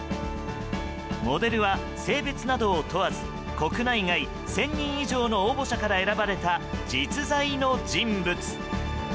モデルは、性別などを問わず国内外１０００人以上の応募者から選ばれた実在の人物。